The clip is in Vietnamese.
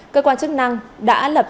cơ quan chức năng đã án lập